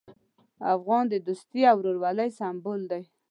افغان د دوستي او ورورولۍ سمبول دی.